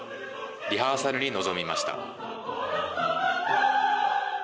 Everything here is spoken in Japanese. リハーサルに臨みました。